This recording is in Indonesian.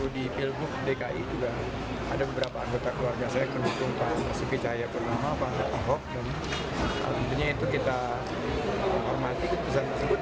di pilbuk dki juga ada beberapa anggota keluarga saya yang mendukung pak suki cahaya purnama pak pak hov